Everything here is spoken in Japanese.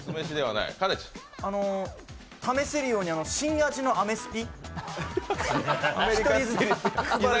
試せるように新味のアメスピ。